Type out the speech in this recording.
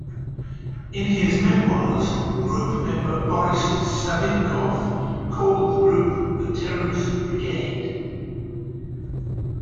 In his memoirs, group member Boris Savinkov called the group the Terrorist Brigade.